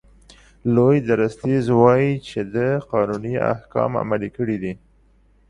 لوی درستیز وایي چې ده قانوني احکام عملي کړي دي.